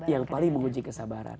yang paling menguji kesabaran